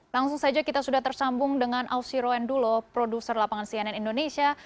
langsung saja kita sudah tersambung dengan ausiroendulo produser lapangan cnn indonesia